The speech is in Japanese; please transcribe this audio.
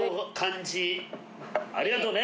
ありがとね